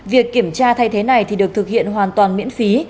việc kiểm tra thay thế này thì được thực hiện hoàn toàn miễn phí